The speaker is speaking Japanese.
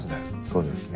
そうですね。